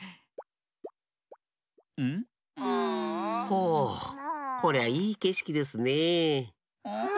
ほうこりゃいいけしきですねえ。